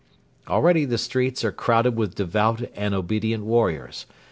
Already the streets are crowded with devout and obedient warriors.